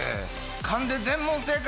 勘で全問正解？